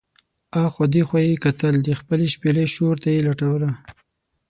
اخوا دې خوا یې کتل، د خپلې شپېلۍ شور ته یې لټوله.